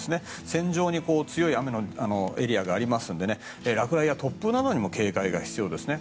線上に強い雨のエリアがありますので落雷や突風などにも警戒が必要ですね。